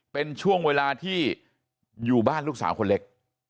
เป็นช่วงเวลาที่อยู่บ้านลูกสาวคนเล็ก